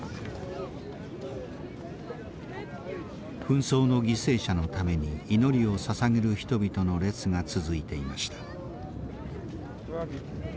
紛争の犠牲者のために祈りをささげる人々の列が続いていました。